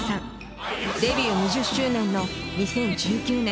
デビュー２０周年の２０１９年